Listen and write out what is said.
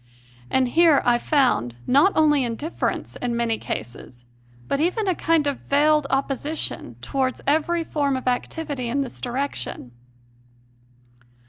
And here I found, not only indifference in many cases, but even a kind of veiled opposition towards every form of activity in this direction.